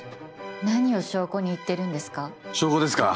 何を証拠に言ってるんですか？